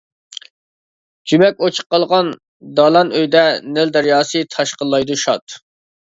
جۈمەك ئوچۇق قالغان دالان ئۆيدە نىل دەرياسى تاشقىنلايدۇ شاد.